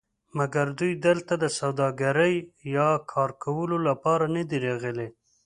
مګر دوی دلته د سوداګرۍ یا کار کولو لپاره ندي راغلي.